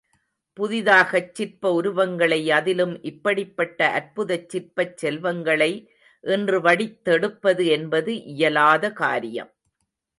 புதிதாகச் சிற்ப உருவங்களை அதிலும் இப்படிப்பட்ட அற்புதச் சிற்பச் செல்வங்களை இன்று வடித்தெடுப்பது என்பது இயலாத காரியம்.